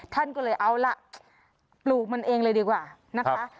ท่านก็เลยเอาล่ะปลูกมันเองเลยดีกว่านะคะ